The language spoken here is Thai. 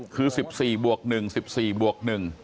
คือ๑๔บวก๑